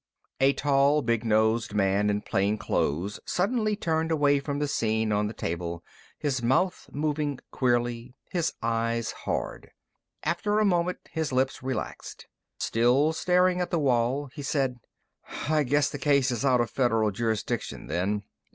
A tall, big nosed man in plain clothes suddenly turned away from the scene on the table, his mouth moving queerly, his eyes hard. After a moment, his lips relaxed. Still staring at the wall, he said: "I guess the case is out of Federal jurisdiction, then.